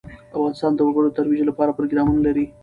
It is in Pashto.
افغانستان د وګړي د ترویج لپاره پروګرامونه لري.